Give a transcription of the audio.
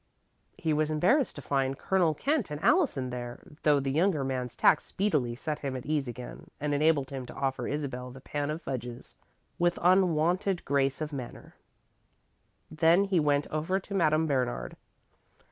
He was embarrassed to find Colonel Kent and Allison there, though the younger man's tact speedily set him at ease again, and enabled him to offer Isabel the pan of fudges with unwonted grace of manner. Then he went over to Madame Bernard.